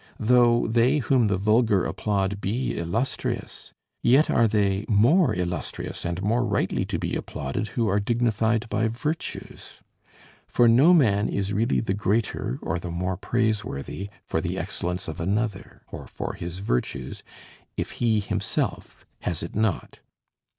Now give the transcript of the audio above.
Though they whom the vulgar applaud be illustrious, yet are they more illustrious and more rightly to be applauded who are dignified by virtues. For no man is really the greater or the more praiseworthy for the excellence of another, or for his virtues, if he himself has it not.